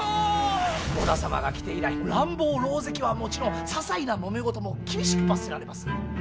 織田様が来て以来乱暴狼藉はもちろんささいなもめ事も厳しく罰せられます。